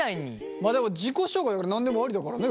まあでも自己紹介だから何でもありだからね。